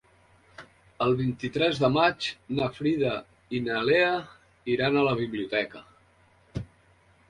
El vint-i-tres de maig na Frida i na Lea iran a la biblioteca.